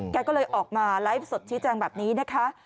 แกก็เลยออกมาไลฟ์สดชี้แจงแบบนี้นะคะ